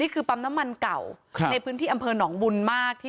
คือปั๊มน้ำมันเก่าในพื้นที่อำเภอหนองบุญมาก